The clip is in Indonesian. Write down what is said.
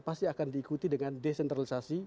pasti akan diikuti dengan desentralisasi